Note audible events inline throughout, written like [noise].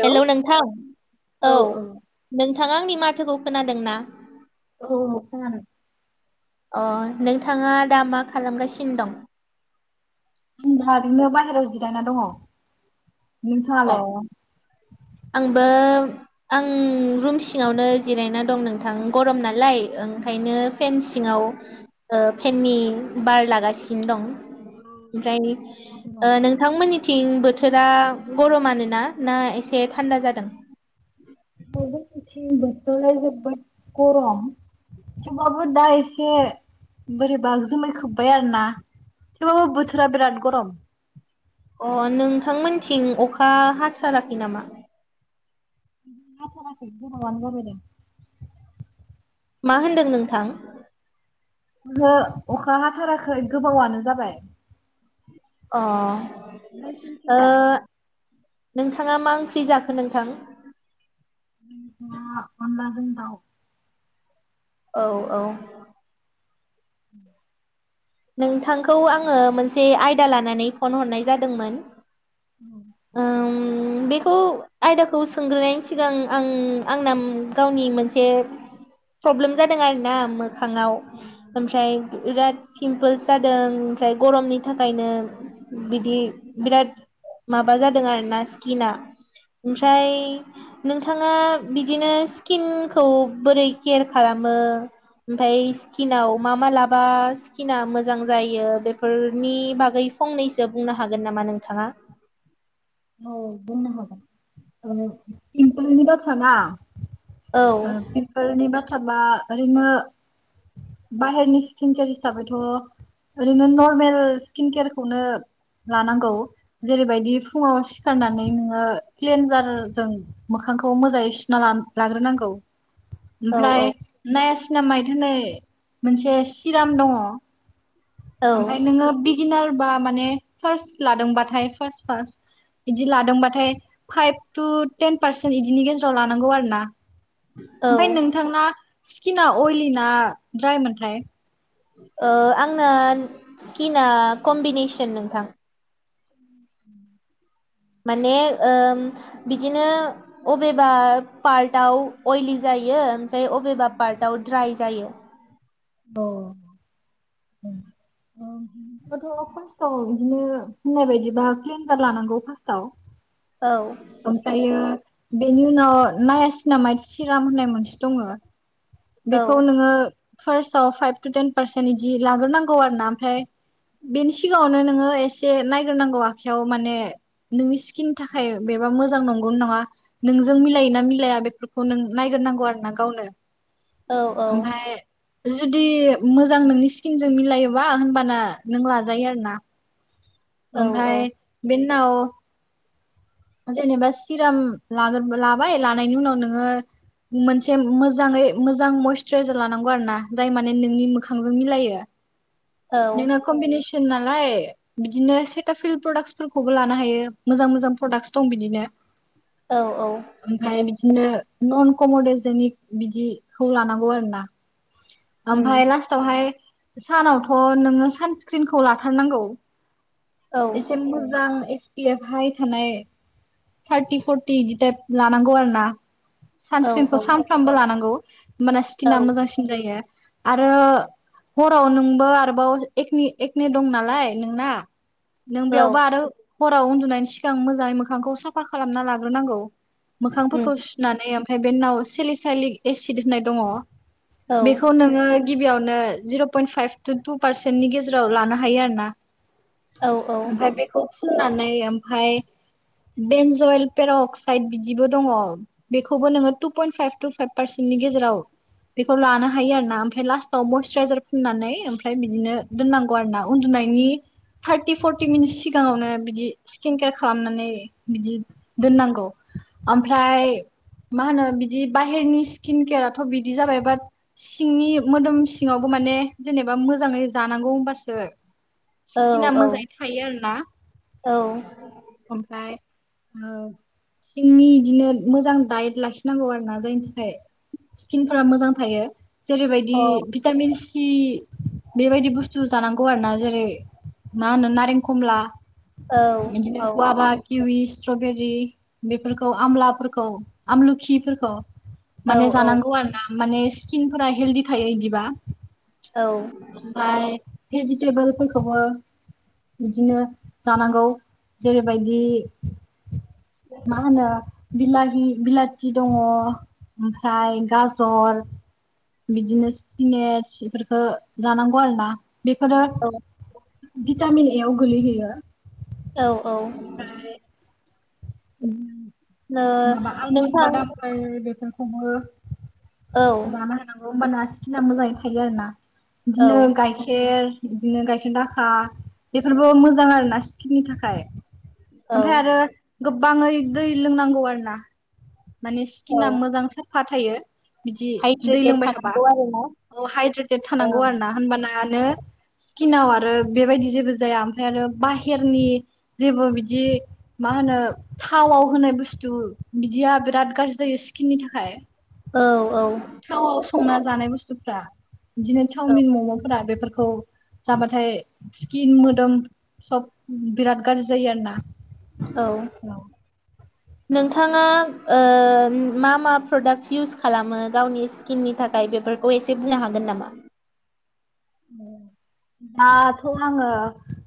हेल' नोंथां औ नों थां आंनि माथोखौ खोनादों ना औ खो [unintelligible] अ नोंथाङा दा मा खालामगासिनो दं? आंहा ओरैनो बाहेरायाव जिरायना दङ अ नोंथाङालाय? आंबो आं रुम सिङावनो जिरायना दं नोंथां गरम नालाय ओंखायनो फेन सिङाव ओ फेननि बार लागासिनो दं। नै ओमफ्राय नोंथांमोननिथिं बोथोरा गरमान ना ना एसे थान्दा जादों [unintelligible] गरम सोरबाफोर दा एसे बोरैबा जुमाय खोब्बाय आरोना थेवबाबो बोथोरा बिराद गरम अ नोंथांमोनथिं अखा हाथाराखै नामा? हाथाराखै गोबावाना जाबाय [unintelligible] मा होनदों नोंथां ओंहो अखा हाथाराखै गोबावानो जाबाय अ ओ नोंसिनिथिंलाय? नोंथाङा मा ओंख्रि जाखो नोंथां अनलाजों दाव औ औ [inaudible] नोंथांखौ आङो मोनसे आयदा लानानै फन हरनाय जादोंमोन ओम बेखौ आयदाखौ सोंग्रोनायनि सिगां आं आंना गावनि मोनसे प्रब्लेम जादों आरोना मोखाङाव ओमफ्राय बिराद पिमपोल्स जादों ओमफ्राय गरमनि थाखायनो बिदि बिराद माबा जादों आर ना स्किना ओमफ्राय नोंथाङा बिदिनो स्किनखौ बोरै केयार खालामो ओमफाय स्किनआव मा मा लाबा स्किनआ मोजां जायो बेफोरनि बागै फंनैसो बुंनो हागोन नामा नोंथाङा औ बुंनो हागोन [unintelligible] औ बेफोरनि बाथ्राबा ओरैनो बाहेरनि [unintelligible] हिसाबैथ' ओरैनो नर्मेल स्किन केयारखौनो लानांगौ जेरैबायदि फुङाव सिखारनानै नोङो प्लन्जारजों मोखांखौ मोजाङै सुना लाग्रोनांगौ औ ओमफ्राय औ नेप सिना माइथोनै मोनसे सिराम दङ औ ओमफ्राय नोङो बिगिनार बा माने फार्स्ट लादोंबाथाय फार्स्ट फार्स्ट बिदि लादोंबाथाय फाइभ टु टेन पारसेन्ट बिदिनि गेजेराव लानांगौ आरो ना औ ओमफफ्राय नोंथांना स्किना अइलि ना ड्रायमोनथाय ओ आंना स्किना कम्बिनेसन नोंथां माने ओम बिदिनो अबेबा पार्टआव अइलि जाय जयो ओमफ्राय अबेबा पार्टव ड्राइ जायो [unintelligible] एथ' खस्थ' बिदिनो होननाय बायदिबा प्लेन्डार लानांगौ फार्स्टाव औ ओमफ्रायो बेनि उनाव नाया सिना माइ सिराम होननाय मोनसे दङ औ बेखौ नोङो फार्स्टआव फाइभ टु टेन पारसेन्ट इदि लाग्रोनांगौ आरो ना ओमफ्राय बेनि सिगाङावनो नोङो एसे नायग्रोनांगौ आखायाव माने नोंनि स्किननि थाखाय बेबा मोजां नंगौ नङा नोंजों मिलायो ना मिलाया बेफोरखौ नों नायग्रनांगौ आरो ना गावनो औ औ ओमफ्राय जुदि मोजां नोंनि स्किनजों मिलायोबा होनबाना नों लाजायो आरो ना औ ओमफ्राय बेननाव जेनेबा सिराम लागोर लाबाय लानायनि उनाव नोङो मोनसे मोजाङै मोजां मयस्चोराइजार लानांगौ आरो ना जाय माने नोंनि मोखांजों मिलायो औ नोंना कमबेनेस नालाय बिदिनो सेटाफिल प्रडाक्सफोरखौबो लानो हायो मोजां मोजां प्रडाक्ट दं बिदिनो औ औ ओमफ्राय बिदिनो नन कमरडेल जोंनि बिदिखौ लानांगौ आरो ना उम ओमफ्राय लास्टआवहाय सानावथ' नोङो सानस्क्रिनखौ लाथारनांगौ औ एसे मोजां एस पि एप हाय थानाय थार्टि फर्टि बिदि टाइप लानांगौ आरो ना औ औ सानस्क्रिनखौ सानफ्रामबो लानांगौ माने औ स्किना मोजांसिन जायो आरो हराव नोंबो आरोबाव एक एकनि दं नालाय नोंना नों औ बेयावबो आरो हराव उन्दुनायनि सिगां मोजाङै मोखांखौ साफा खालामना लाग्रोनांगौ उम मोखांफोरखौ सुनानै ओमफ्राय बे नाव सेलिसाइलिक एसिड होननाय दङ औ बेखौ नोङो गिबियावनो zero point five two two पारसेन्टनि गेजेराव लानो हायो आरो ना औ ओमफाय बेखौ फुननानै ओमफाय देनजयेल पेर' अक्साइद बिदिबो दङ बेखौबो नोङो two point five two five पारसे नि गेजेराव बेखौ लानो हायो आरो ना ओमफ्राय लास्टाव मयस्चाइजार फुननानै ओमफ्राय बिदिनो दोननांगौ आरो ना उन्दु नायनि थारथि फरथि मिनिट सिगाङावनो बिदि स्किनकेयार खालामनानै बिदि दोननांगौ ओमफ्राय मा होनो बिदि बाहेरनि स्किन केयाराथ' बिदि जाबाय बात सिंनि मोदोम सिङावबो माने जेनेबा मोजाङै जानांगौ होनबासो औ स्किना मोजाङै थायो आरो ना अ औ औ सिंनि बिदिनो मोजां डाइट लाखिनांगौ आरो ना जायनि थाखाय स्किनफोरा मोजां थायो जेरैबायदि भिटामिन सि बेबायदि बुस्थु जानांगौ आरोना जेरै मा होनो नारें खमला बिदिनो गुवबा [unintelligible] किवि स्ट्रबेरि बेफोरखौ आमलाफोरखौ आमलुखिफोरखौ माने औ जानांगौ आरो ना माने स्किनफोरा हेल्दि थायो इदिबा [unintelligible] भेजिटेबोलफोरखौबो बिदिनो जानांगौ। जेरैबायदि मा होनो बिला -बिलाथि दङ ओमफ्राय गाजर बिदिनो [unintelligible] सिफोरखौ जानांगौ आरो ना। बेफोरो भिटामिन ए आव गोलैहैयो। औ, औ। ओमफ्राय माबा आलमन नोंथां बादामफोर बेफोर औ [unintelligible] होनांगौ होमबाना स्किना मोजाङै थायो आरो ना। औ बिदिनो गाइखेर बिदिनो गाइखेर -दाखा बेफोरबो मोजां आरो ना स्किननि थाखाय। ओमफ्राय आरो गोबाङै दै लोंनांगौ आरो ना। माने स्किना औ मोजां साफा थायो। बिदि दै हाइद्रेटेड लोंबाय थाबा। थानांगौ आरोना औ हाइद्रेटेड थानांगौ आरो ना होनबानानो स्किनाव आरो बेबायदि जेबो जाया। ओमफ्राय आरो बाहेरनि जेबो बिदि मा होनो थावआव होनाय बुस्थु बिदिया बिराद गाज्रि जायो स्किननि थाखाय। औ, औ। थावआव संना जानाय बुस्थुफ्रा बिदिनो औ सावमिन, मम'फोरा बेफोरखौ जाबाथाय स्किन मोदोम सब बिराद गाज्रि जायो आरो ना। औ। औ नोंथाङा ओ मा- मा प्रडाक्टस इउस खालामो गावनि स्किननि थाखाय? नाथाय बेफोरखौ एसे बुंनो हागोन नामा? दाथ' आङो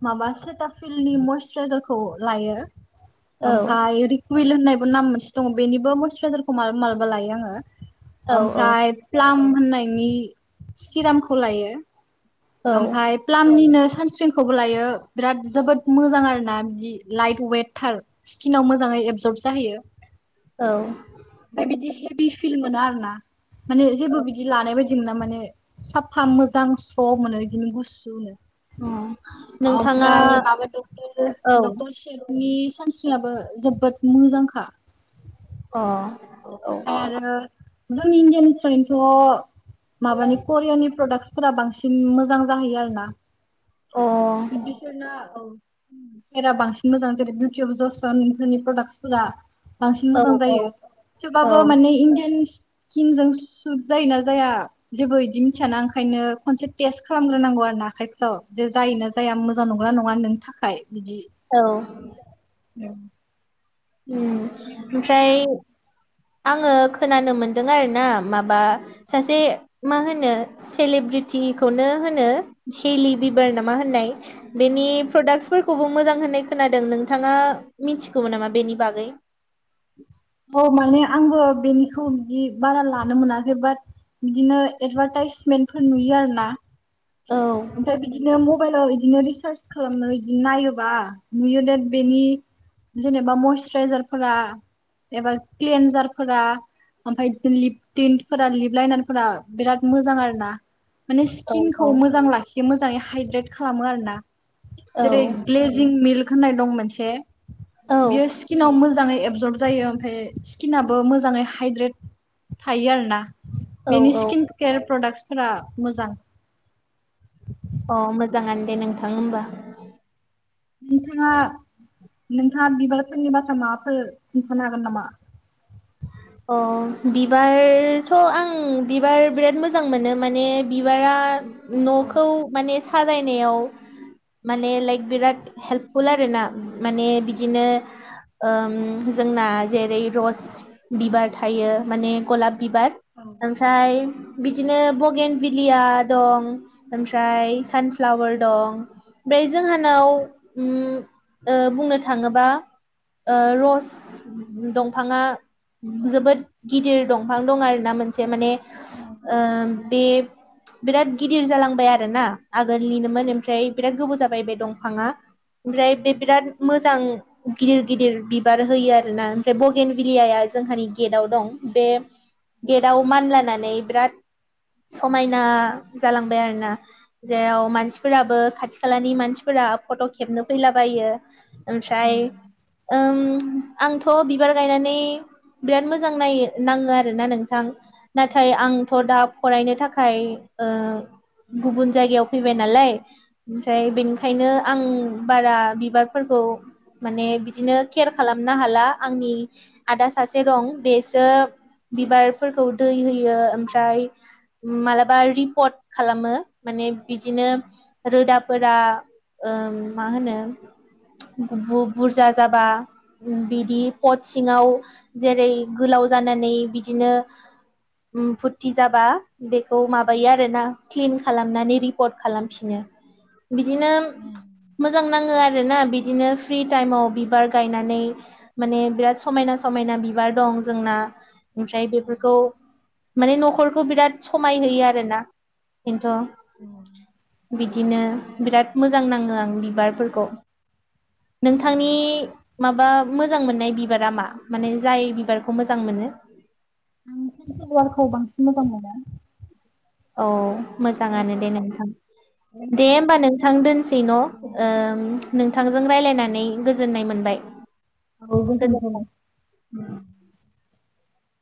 माबा सेथा फिलनि मयसराइजार [unintelligible] लायो। औ ओमफ्राय कुइल होननायबो नाम मोनसे दङ बेनिबो मयसराइजारखौ मालाबा लायो आङो। औ औ ओमफ्राय प्लाम होननायनि सिरामखौ लायो। ओमफ्राय औ प्लामनिनो सानस्क्रिनखौबो लायो बिराद जोबोद मोजां आरोना। बिदि लाइट वेटथार स्किनाव मोजाङै एबजर्ब जाहैयो। औ। ओमफ्राय बिदि फिल मोना आरो ना। माने जेबो बिदि लानाय बायदि मोना माने साफा मोजां [unintelligible] गुसुनो। अ नोंथाङा ओमफ्राय माबा [unintelligible] औ [unintelligible] सानस्क्रिनाबो जोबोद मोजांखा। अ औ आरो जों [unintelligible] माबानि करियानि प्रडाक्टसफोरा बांसिन मोजां जाहैयो आरो ना। अ औ बिदिसोना औ। [unintelligible] बांसिन मोजां जेर [unintelligible] प्रडाक्सफोरा बांसिन मोजां औ जायो। औ थेवबाबो माने इन्दियान स्किनजों सुद जायोना जाया। जेबो बिदि मिथियाना ओंखायनो खनसे टेस्ट खालामग्रोनांगौ आरोना। आखाइफ्राव दे जायोना जाया। मोजां नंगौना नङा नोंनि थाखाय। बिदि औ। औ। नोंथाङा ओमफ्राय आङो खोनानो मोनदों आरोना। माबा सासे मा होनो सेले- [unintelligible] होनो हलि बिबार नामा होननाय बेनि औ प्राक्फोरखौबो मोजां होननाय खोनादों नोंथाङा मिथिगौमोन नामा बेनि बागै? औ माने आंबो बेनिखौ बिदि बारा लानो मोनाखै। बाट बिदिनो एडभार्टाइस [unintelligible] नुयो आरोना। औ ओमफ्राय बिदिनो मबाइलाव बिदिनो रिसार्ज खालामनानोनै बिदिनो नायोबा नुयो दे बेनि जेनेबा मयसचराइजारफोरा एबा कलिनजारफोरा ओमफ्राय बि लिपडन्फोरा लिबलायनाफोरा बिराद मोजां आरो ना माने औ औ स्किनखौ मोजां लाखियो मोजाङै हाइद्रेट खालामो आरो ना औ जेरै ग्लेजिं मिल्क होननाय दं मोनसे औ बियो स्किनाव मोजाङै ए अबजर्ब जायो ओमफ्राय स्किनाबो मोजाङै हाइद्रेट थायो आर ना औ बेनि औ स्किन केयार प्रडाक्सफोरा मोजां अ मोजाङानो दे नोंथां होमबा नोंथाङा नोंथाङा बिबारफोरनि बाथ्रा माबाफोर खिन्थानो हागोन नामा [inaudible] अ बिबारथ' आं बिबार बिराद मोजां मोनो माने बिबारा औ न'खौ माने साजायनायाव माने लाइक बिराद हेल्पफुल आरोना माने बिदिनो जोंना जेरै रस बिबार थायो माने गलाब बिबार औ ओमफ्राय बिदिनो बगेन भिलिया दं ओमफ्राय सानफ्लावार दं ओमफ्राय औ जोंहानाव बुंनो थाङोबा रस दंफाङा जोबोद गिदिर दंफां दं आर ना मोनसे माने ओ बे बिराद गिदिर जालांबाय आरोना आगोलनिनोमोन ओमफ्राय बिराद गोबाव जाबाय बे दंफाङा ओमफ्राय बे बिराद मोजां गिदिर गिदिर बिबार होयो आरो ना ओमफ्राय बगेन बिलयाया जोंहानि गेटआव दं बे गेटआव मानलानानै बिराद समायना जालांबाय आरोना जेराव मानसिफोराबो खाथि खालानि मानसिफोरा फट' खेबनो फैलाबायो ओमफ्राय आंथ' बिबार गायनानै बिराद मोजां नायो नाङो आरोना नोंथां नाथाय आंथ' दा फरायनो थाखाय आ गुबुन जायगायाव फैबाय नालाय ओमफ्राय बेनिखायनो आं बारा बिबारफोरखौ माने बिदिनो केयार खालामनो हाला आंनि आदा सासे दं बेसो बिबारफोरखौ दै होयो ओमफ्राय मालाबा रिपर्ट खालामो माने बिदिनो रोदाफोरा मा होनो बुरजा जाबा बिदि पट सिङाव जेरै गोलाव जानानै बिदिनो फुरथि जाबा बेखौ माबायो आरोना क्लिन खालामनानै रिपर्ट खालामफिनो बिदिनो मोजां नाङो आरो आरोना बिदिनो फ म बिबार गनानै म बि समायना समायना बिबार दं जोंना ओमफ्राय बेफोरखौ माने न'खरखौ बिराद समाय होयो आरोना खिन्थु बिदिनो बिराद मोजां नाङो आं बिबारफोरखौ नोंथांनि माबा मोजां मोननाय बिबारा मा माने जाय बिबारखौ मोजां मोनो आं ससिेल वार्कआव बांसिन मोजां मोनो औ मोजाङानो दे नोंथां दे नोंथाङालाय? होमबा नोंथां दोनसै न' ओ- नो- बिथांजों रायज्लायनानै गोजोननाय मोनबाय औबोंथ गोजोनथों [unintelligible]